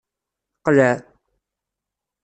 Qleɛ!